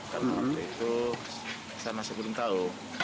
karena waktu itu saya masih belum tahu